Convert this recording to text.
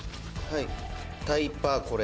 「タイパこれ。